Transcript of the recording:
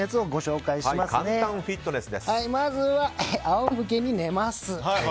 まずは、仰向けに寝ます。